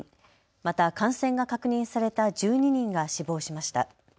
また感染が確認された１２人が死亡しました。